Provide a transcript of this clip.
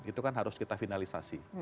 itu kan harus kita finalisasi